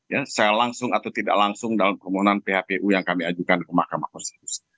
ya secara langsung atau tidak langsung dalam permohonan phpu yang kami ajukan ke mahkamah konstitusi